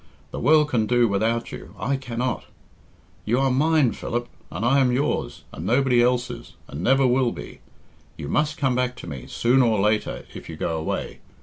The world can do without you I cannot. You are mine, Philip, and I am yours, and nobody else's, and never will be. You must come back to me, sooner or later, if you go away.